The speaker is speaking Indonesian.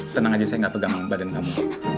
tenang aja saya gak pegang badan kamu